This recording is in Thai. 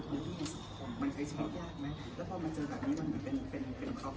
แล้วก็พอจะมายืนพอจะทำงานทำพอจะเริ่มใช้ที่ทุกประสิทธิ์มันยาก